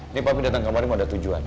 ini papi datang kemarin mau ada tujuan